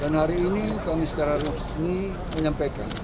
dan hari ini kami secara resmi menyampaikan